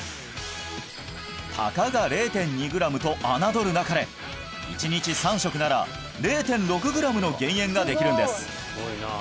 たかが０．２グラムと侮るなかれ１日３食なら０．６グラムの減塩ができるんです